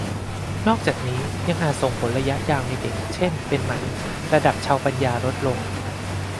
นอกจากนี้ยังอาจส่งผลระยะยาวในเด็ก เช่น เป็นหมัน ระดับเชาว์ปัญญาลดลง